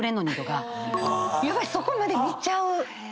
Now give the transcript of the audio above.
そこまで見ちゃう。